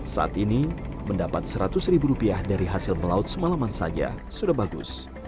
saat ini mendapat seratus ribu rupiah dari hasil melaut semalaman saja sudah bagus